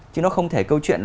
chứ nó không thể câu chuyện